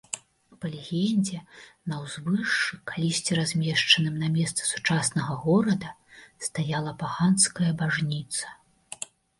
Па легендзе, на ўзвышшы, калісьці размешчаным на месцы сучаснага горада, стаяла паганская бажніца.